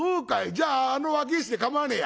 じゃああの若え衆で構わねえや。